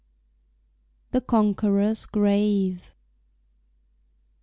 THE CONQUEROR'S GRAVE.